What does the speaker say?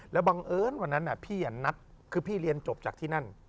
แล้วบังเอิญวันนั้นพี่นัดคือพี่เรียนจบจากที่นั่น